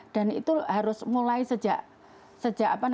dan itu harus mulai sejak